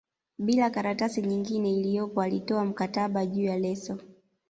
bila karatasi nyingine iliyopo alitoa mkataba juu ya leso